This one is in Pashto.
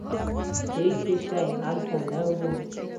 هېڅ شی هلته نه و.